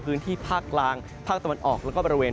พื้นที่ภาคกลางภาคตะวันออกแล้วก็บริเวณ